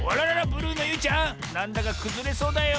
ブルーのゆいちゃんなんだかくずれそうだよ。